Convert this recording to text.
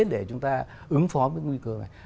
để chúng ta ứng phó với nguy cơ này